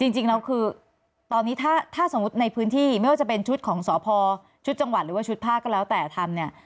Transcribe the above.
จริงแล้วคือตอนนี้ถ้าสมมุติในพื้นที่ไม่ว่าจะเป็นชุดของสพชุดจังหวัดหรือว่าชุดภาคก็แล้วแต่ทำเนี่ย